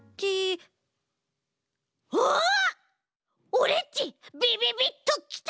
オレっちびびびっときた！